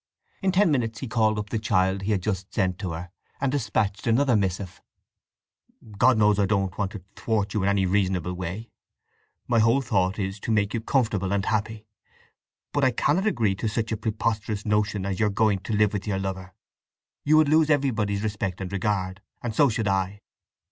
In ten minutes he called up the child he had just sent to her, and dispatched another missive: God knows I don't want to thwart you in any reasonable way. My whole thought is to make you comfortable and happy. But I cannot agree to such a preposterous notion as your going to live with your lover. You would lose everybody's respect and regard; and so should I!